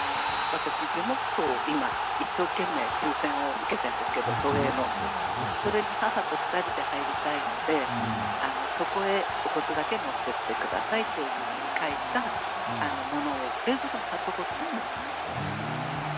今、樹木葬を一生懸命抽せんを受けているんですけど都営の、それに母と２人で入りたいのでそこへお骨だけ持っていってくださいというふうに書いたものを冷蔵庫に貼っておこうと思っています。